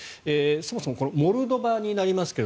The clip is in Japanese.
そもそもこのモルドバになりますが